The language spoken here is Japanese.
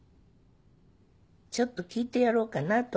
ちょっと聞いてやろうかなと思って。